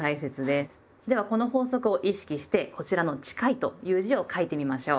ではこの法則を意識してこちらの「近い」という字を書いてみましょう！